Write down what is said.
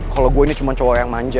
kalau gue ini cuma cowok yang manja